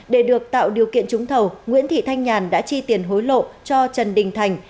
để được tạo điều kiện trúng thầu nguyễn thị thanh nhàn đã chi tiền hối lộ cho trần đình thành